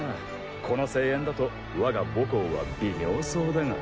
この声援だと我が母校は微妙そうだが。